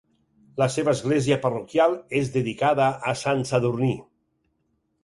La seva església parroquial és dedicada a sant Sadurní.